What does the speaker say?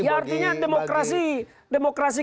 ya artinya demokrasi